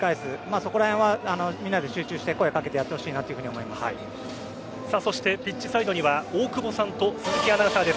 その辺はみんなで集中して声を掛けてやってほしいとそしてピッチサイドには大久保さんと鈴木アナウンサーです。